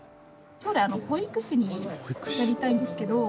将来保育士になりたいんですけど。